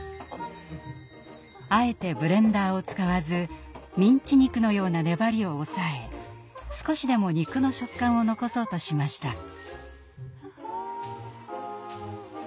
あえてブレンダーを使わずミンチ肉のような粘りを抑え少しでも肉の食感を残そうとしました。